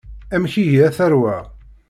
Amek ihi a tarwa?